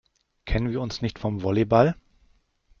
Kennen wir uns nicht vom Volleyball?